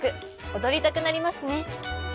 踊りたくなりますね。